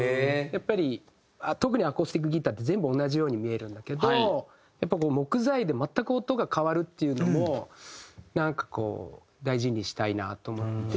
やっぱり特にアコースティックギターって全部同じように見えるんだけどやっぱりこう木材で全く音が変わるっていうのもなんかこう大事にしたいなと思って。